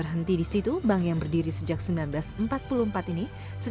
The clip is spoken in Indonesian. investasi yang diperlukan akan sangat tinggi